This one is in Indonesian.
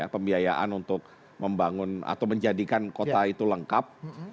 pembiayaan untuk membangun atau menjadikan kota itu lengkap